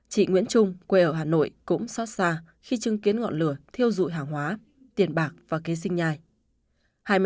chị nguyễn trung quê ở hà nội cũng xót xa khi chứng kiến ngọn lửa thiêu dụi hàng hóa tiền bạc và kế sinh nhai